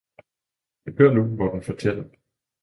Hør nu, hvor den fortæller.